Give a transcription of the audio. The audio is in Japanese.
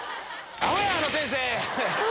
あほや、あの先生！